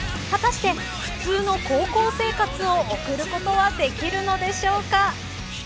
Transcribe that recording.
果たして、普通の高校生活を送ることはできるのでしょうか。